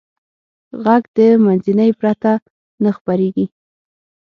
غږ د منځنۍ پرته نه خپرېږي.